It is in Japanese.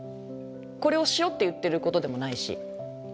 これをしようって言ってることでもないし。